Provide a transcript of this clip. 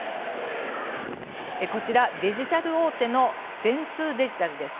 こちらデジタル大手の電通デジタルです。